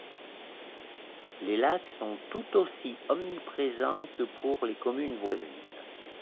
Les lacs sont tout aussi omniprésents que pour les communes voisines.